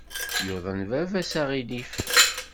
Yuḍen baba-s aɣilif.